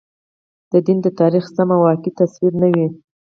د دین د تاریخ سم او واقعي تصویر نه وي.